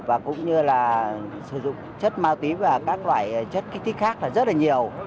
và cũng như là sử dụng chất ma túy và các loại chất kích thích khác là rất là nhiều